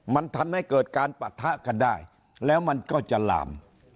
มันทำให้เกิดการปะทะกันได้แล้วมันก็จะหลาม